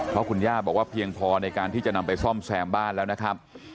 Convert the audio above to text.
เพราะคุณย่าบอกว่าเพียงพอในการที่จะนำไปซ่อมแซมบ้านแล้วนะครับ